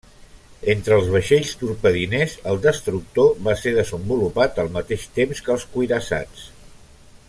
Entre els vaixells torpediners, el destructor, va ser desenvolupat al mateix temps que els cuirassats.